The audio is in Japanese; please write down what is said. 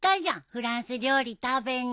フランス料理食べに。